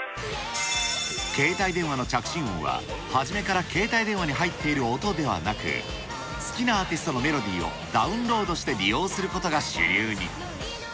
携帯電話の着信音は、初めから携帯電話に入っている音ではなく、好きなアーティストのメロディーをダウンロードして利用することが主流に。